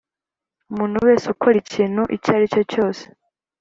Umuntu wese ukora ikintu icyo ari cyo cyose